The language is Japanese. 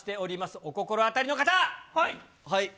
お心当たりの方。